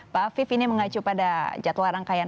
pak afif ini mengacu pada jadwal rangkaian